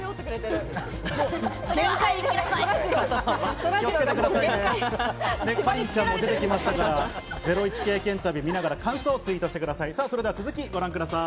かりんちゃんも出てきましたから、ゼロイチ経験旅を見ながら感想をツイートしてください。